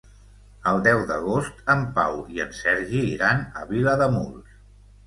El deu d'agost en Pau i en Sergi iran a Vilademuls.